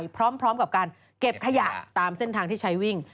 พร้อมกับการเก็บขยะตามเส้นทางที่ใช้วิ่ง